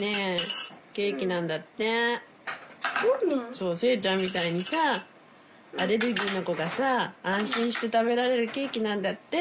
そうせいちゃんみたいにさアレルギーの子がさ安心して食べられるケーキなんだって！